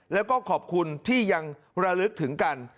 แล้วก็ขอบคุณที่ยังระลึกถึงกัน